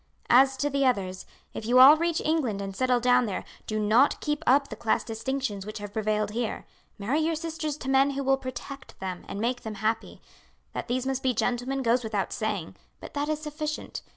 "As to the others, if you all reach England and settle down there do not keep up the class distinctions which have prevailed here. Marry your sisters to men who will protect and make them happy. That these must be gentlemen goes without saying; but that is sufficient.